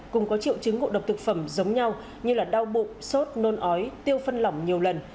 cùng có triệu chứng ngộ độc thực phẩm giống nhau như đau bụng sốt nôn ói tiêu phân lỏng nhiều lần